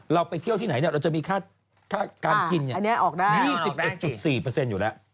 ไปเที่ยวที่ไหนเราจะมีค่าการกิน๒๑๔อยู่แล้ว